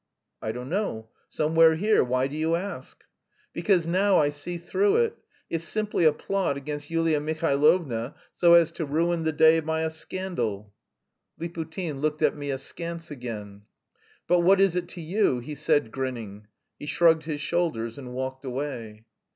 "I don't know, somewhere here; why do you ask?" "Because now I see through it. It's simply a plot against Yulia Mihailovna so as to ruin the day by a scandal...." Liputin looked at me askance again. "But what is it to you?" he said, grinning. He shrugged his shoulders and walked away.